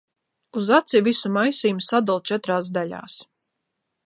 Uz aci visu maisījumu sadala četrās daļās.